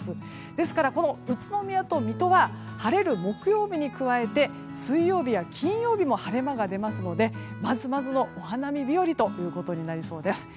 ですから宇都宮と水戸は晴れる木曜日に加えて水曜日や金曜日も晴れ間が出ますので、まずまずのお花見日和となりそうです。